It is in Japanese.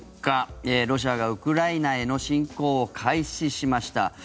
ロシアがウクライナへの侵攻を開始しました。